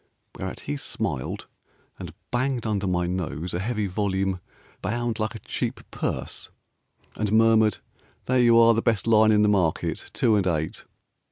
Whereat he smiled and banged under my nose A heavy volume, Bound like a cheap purse, And murmured, "There you are, The best line in the market, Two and eight."